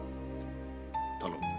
頼む。